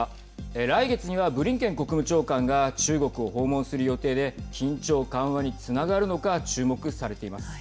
来月にはブリンケン国務長官が中国を訪問する予定で緊張緩和につながるのか注目されています。